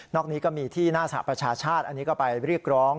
นี้ก็มีที่หน้าสหประชาชาติอันนี้ก็ไปเรียกร้อง